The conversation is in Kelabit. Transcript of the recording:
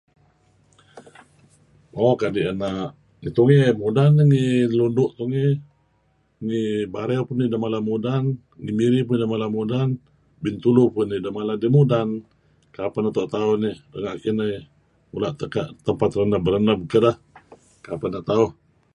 Uuh ngi tungey mudan iyeh ngi Lundu' tungey,